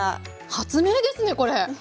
発明ですねこれ。